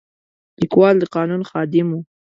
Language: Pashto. لیکوال د قانون خادم و.